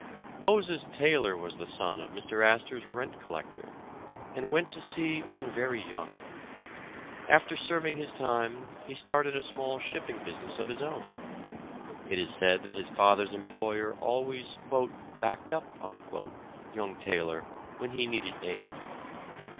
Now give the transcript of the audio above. Moses Taylor was the son of Mr. Astor 's rent collect or, and went to sea when very young. After serving his time, he started a small shipping business of his own. It is said that his father's employer always backed up" young Taylor when he needed aid.